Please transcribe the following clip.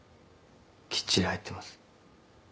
きっちり入ってます。